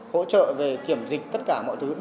hỗ trợ về kiểm dịch tất cả mọi thứ